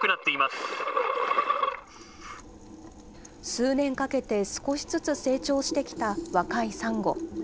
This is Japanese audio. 数年かけて少しずつ成長してきた若いサンゴ。